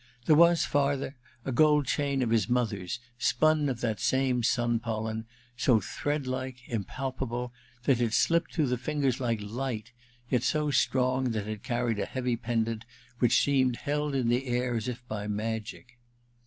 There was, farther, a gold chain of his mother's, spun of that same sun pollen, so thread like, impalpable, that it slipped through the fingers like light, yet so strong that it carried a heavy pendant which seemed held in air as if by magic.